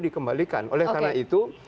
dikembalikan oleh karena itu